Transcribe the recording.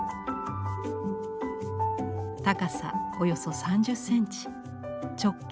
高さおよそ３０センチ直径